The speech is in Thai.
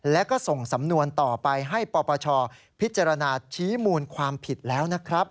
และก็ส่งสำนวนต่อไปให้ปปชพิจารณาชี้มูลความผิดแล้วนะครับ